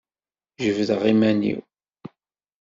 Jebdeɣ iman-iw.